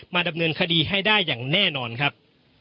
ดำเนินคดีให้ได้อย่างแน่นอนครับ